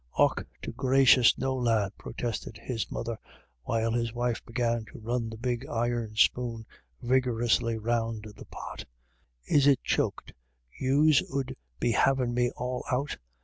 " Och to gracious, no lad," protested his mother, while his wife began to run the big iron spoon vigorously round the pot "Is it choked yous 'ud be havin' me all out?"